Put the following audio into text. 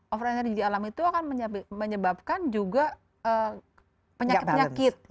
over energy di alam itu akan menyebabkan juga penyakit penyakit